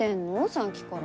さっきから。